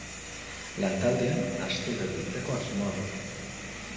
Lantaldean astero biltzeko asmoa du.